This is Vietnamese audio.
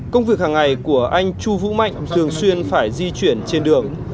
công việc hàng ngày của anh chu vũ mạnh thường xuyên phải di chuyển trên đường